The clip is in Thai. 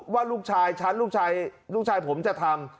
ว่าลูกชายฉันลูกชายผมจะทำ